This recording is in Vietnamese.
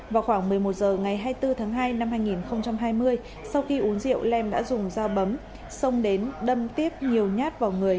vào khoảng một mươi một h ngày hai mươi bốn tháng hai năm hai nghìn hai mươi sau khi uống rượu lem đã dùng dao bấm xông đến đâm tiếp nhiều nhát vào người